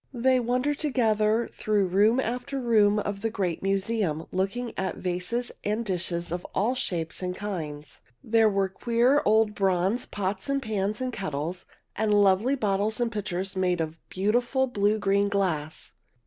They wandered together through room after room of the great museum, looking at vases and dishes of all shapes and kinds. There were queer old bronze pots and pans and kettles, and lovely bottles and pitchers made of beautiful blue green glass.